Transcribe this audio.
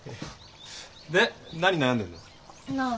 で何悩んでんだよ。